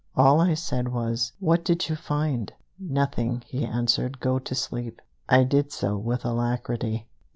All I said was: "What did you find?" "Nothing," he answered. "Go to sleep." I did so with alacrity.